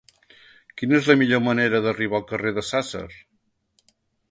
Quina és la millor manera d'arribar al carrer de Sàsser?